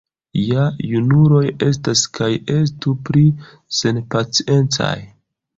Ja junuloj estas kaj estu pli senpaciencaj.